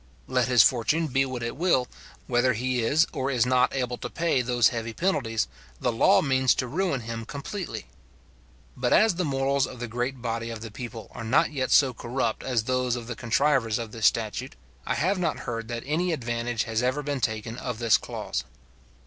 Let his fortune be what it will, whether he is or is not able to pay those heavy penalties, the law means to ruin him completely. But, as the morals of the great body of the people are not yet so corrupt as those of the contrivers of this statute, I have not heard that any advantage has ever been taken of this clause.